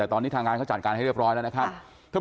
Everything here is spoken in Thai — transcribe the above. แต่ตอนนี้ทางงานเขาจัดการให้เรียบร้อยแล้วนะครับ